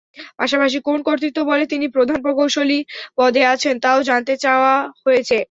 পাশাপাশি কোন কর্তৃত্ববলে তিনি প্রধান প্রকৌশলীর পদে আছেন, তা-ও জানতে চাওয়া হয়েছে।